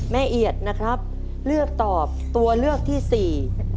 เอียดนะครับเลือกตอบตัวเลือกที่สี่